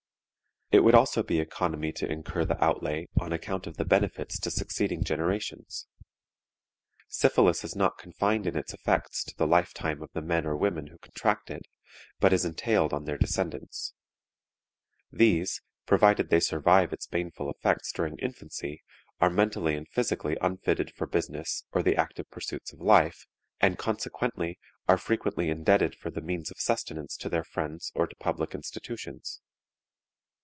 It would also be economy to incur the outlay on account of the benefits to succeeding generations. Syphilis is not confined in its effects to the life time of the men or women who contract it, but is entailed on their descendants. These, provided they survive its baneful effects during infancy, are mentally and physically unfitted for business or the active pursuits of life, and, consequently, are frequently indebted for the means of sustenance to their friends or to public institutions.